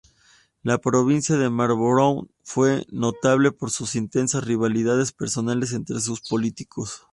La provincia de Marlborough fue notable por sus intensas rivalidades personales entre sus políticos.